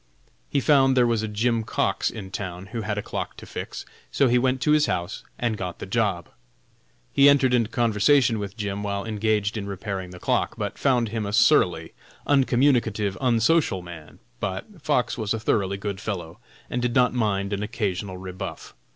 He found there was a Jim Cox in town who had a clock to fix, so he went to his house and got the job. He entered into conversation with Jim while engaged in repairing the clock, but found him a surly, uncommunicative, unsocial man, but Fox was a thoroughly good fellow and did not mind an occasional rebuff.